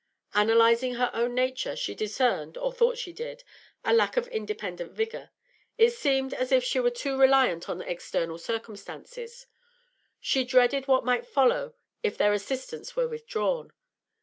Analysing her own nature, she discerned, or thought she did, a lack of independent vigour; it seemed as if she were too reliant on external circumstances; she dreaded what might follow if their assistance were withdrawn.